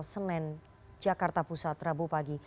senen jakarta pusat rabu pagi